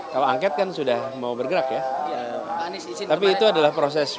kalau angket kan sudah mau bergerak ya tapi itu adalah proses